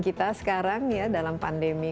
kita sekarang ya dalam pandemi